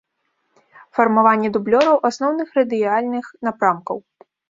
Фармаванне дублёраў асноўных радыяльных напрамкаў.